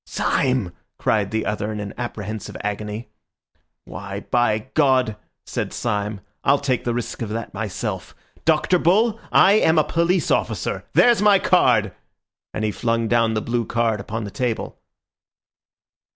"Syme!" cried the other in an apprehensive agony. "Why, by God," said Syme, "I'll take the risk of that myself! Dr. Bull, I am a police officer. There's my card," and he flung down the blue card upon the table.